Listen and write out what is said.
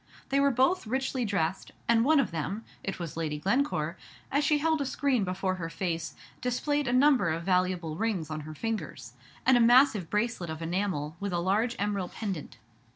They were both richly dressed, and one of them (it was Lady Glencore), as she held a screen before her face, displayed a number of valuable rings on her fingers, and a massive bracelet of enamel with a large emerald pendant.